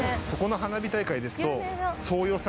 そこの花火大会ですと。